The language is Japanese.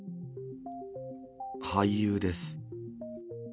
俳優です。